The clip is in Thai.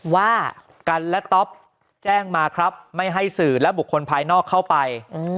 ว่ากันและต๊อปแจ้งมาครับไม่ให้สื่อและบุคคลภายนอกเข้าไป